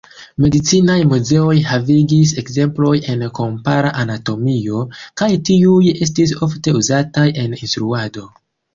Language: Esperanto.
Medicinaj muzeoj havigis ekzemploj en kompara anatomio, kaj tiuj estis ofte uzitaj en instruado.